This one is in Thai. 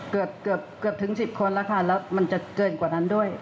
เกือบเกือบถึง๑๐คนแล้วค่ะแล้วมันจะเกินกว่านั้นด้วย